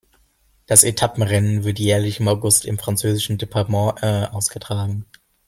Das Etappenrennen wird jährlich im August im französischen Departement Ain ausgetragen.